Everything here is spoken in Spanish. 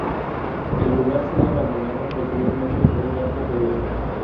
El lugar sería abandonado posteriormente por un largo período.